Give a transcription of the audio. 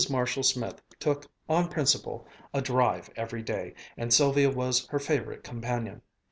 Marshall Smith took, on principle, a drive every day, and Sylvia was her favorite companion.